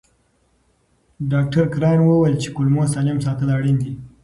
ډاکټر کراین وویل چې کولمو سالم ساتل اړین دي.